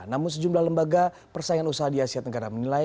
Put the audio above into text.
namun sejumlah lembaga persaingan usaha di asia tenggara menilai